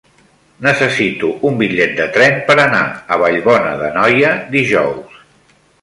Necessito un bitllet de tren per anar a Vallbona d'Anoia dijous.